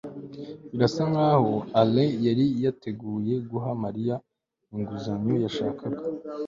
birasa nkaho alain yari yateguye guha mariya inguzanyo yashakaga